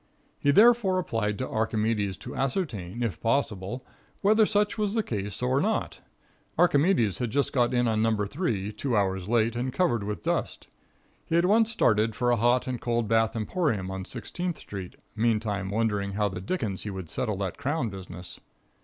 He therefore applied to Archimedes to ascertain, if possible, whether such was the case or not. Archimedes had just got in on No. 3, two hours late, and covered with dust. He at once started for a hot and cold bath emporium on Sixteenth street, meantime wondering how the dickens he would settle that crown business.